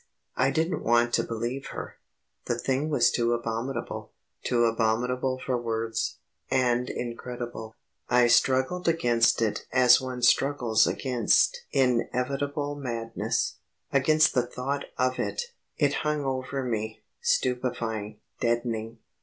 I didn't want to believe her. The thing was too abominable too abominable for words, and incredible. I struggled against it as one struggles against inevitable madness, against the thought of it. It hung over me, stupefying, deadening.